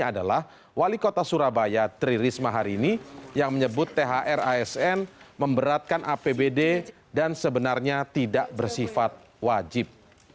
adalah wali kota surabaya tri risma hari ini yang menyebut thr asn memberatkan apbd dan sebenarnya tidak bersifat wajib